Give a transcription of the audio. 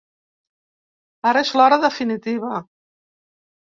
Ara és l’hora definitiva.